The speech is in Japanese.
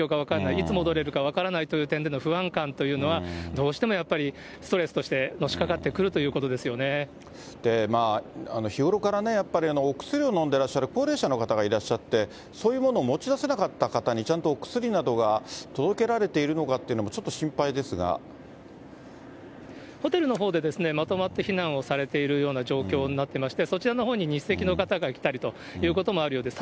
いつ戻れるか分からないという不安感というのは、どうしてもやっぱりストレスとしてのしかかってくるということで日頃からね、やっぱりお薬を飲んでいらっしゃる高齢者の方がいらっしゃって、そういうものを持ちだせなかった方に、ちゃんとお薬などがちゃんと届けられているかっていうのが、ちょホテルのほうで、まとまって避難をされているような状況になっていまして、そちらのほうに日赤の方が来たりということもあるようです。